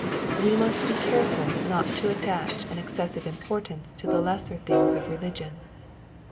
We must be careful not to attach an excessive importance to the lesser things of religion.